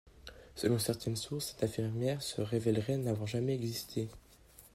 Selon certaines sources, cette infirmière se révèlerait n'avoir jamais existé.